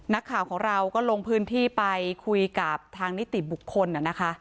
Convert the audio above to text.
นักข่าวของเราก็ลงพื้นที่ไปคุยกับทางนิติบุคคลนะคะ